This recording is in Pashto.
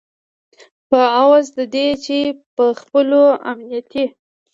په عوض د دې چې په خپلو امنیتي